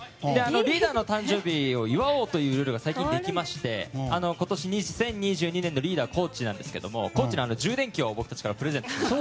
リーダーの誕生日を祝おうというルールが最近できまして今年２０２２年のリーダーは高地なんですが高地に充電器を僕たちからプレゼントしました。